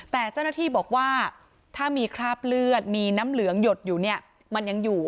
แต่เจ้าหน้าที่บอกว่าถ้ามีคราบเลือดมีน้ำเหลืองหยดอยู่เนี่ยมันยังอยู่